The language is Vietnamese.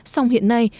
song hiện nay